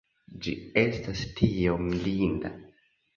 Ĝi estas tiom linda!